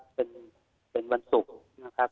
เป็นวันศุกร์นะครับ